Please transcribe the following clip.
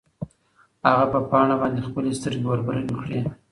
هغه په پاڼه باندې خپلې سترګې وربرګې کړې.